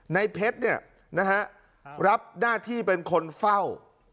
ในเพชรเนี่ยนะฮะรับหน้าที่เป็นคนเฝ้า